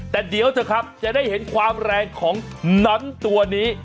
แต่เดี๋ยวเถอะครับจะได้เห็นความแรงของนั้นตัวนี้